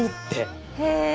へえ。